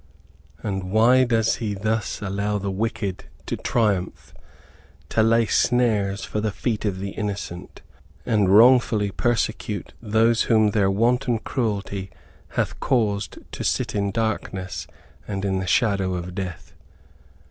And why does he thus allow the wicked to triumph; to lay snares for the feet of the innocent, and wrongfully persecute those whom their wanton cruelty hath caused to sit in darkness and in the shadow of death?